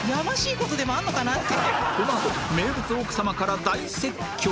このあと名物奥さまから大説教！？